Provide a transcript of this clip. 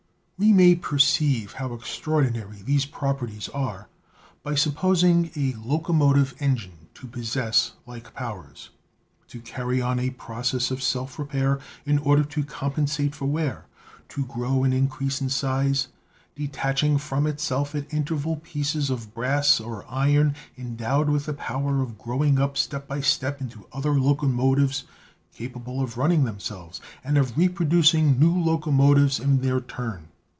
"We may perceive how extraordinary these properties are by supposing a locomotive engine to possess like powers : to carry on a process of self repair in order to compensate for wear, to grow and increase in size, detach ing from itself at intervals pieces of brass or iron endowed with the power of growing up step by step into other loco motives capable of running themselves, and of reproducing new locomotives in their turn.